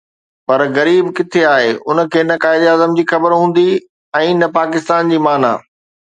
پر غريب ڪٿي آهي، ان کي نه قائداعظم جي خبر هوندي ۽ نه پاڪستان جي معنيٰ.